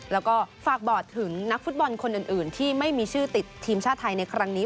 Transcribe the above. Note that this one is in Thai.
แล้วก็ฝากบอกถึงนักฟุตบอลคนอื่นที่ไม่มีชื่อติดทีมชาติไทยในครั้งนี้